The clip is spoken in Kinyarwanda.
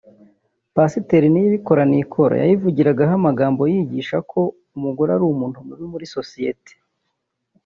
Pasiteri Niyibikora Nicholas yayivugiragaho amagambo yigisha ko umugore ari umuntu mubi muri sosiyete